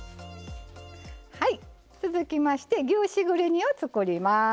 続きまして牛しぐれ煮を作ります。